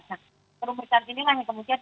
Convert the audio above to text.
nah kerumunan inilah yang kemudian